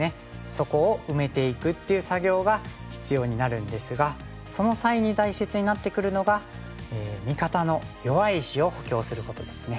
そこを埋めていくっていう作業が必要になるんですがその際に大切になってくるのが味方の弱い石を補強することですね。